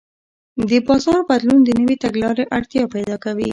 د بازار بدلون د نوې تګلارې اړتیا پیدا کوي.